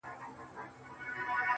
خیال دي,